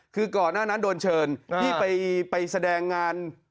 คือก่อนหน้านั้นโดนเชิญที่ไปแสดงงาน